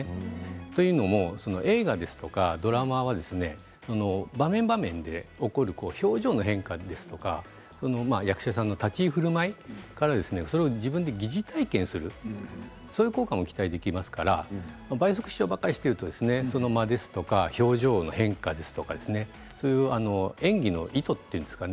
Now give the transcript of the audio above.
というのも映画やドラマは場面場面で起こる表情の変化ですとか役者さんの立ち居振る舞いからそれを自分で疑似体験するそういう効果も期待できますから倍速視聴ばかりしているとその間や表情の変化ですとか演技の糸と言うんですかね